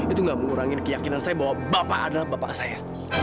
itu gak mengurangi keyakinan saya bahwa bapak adalah bapak saya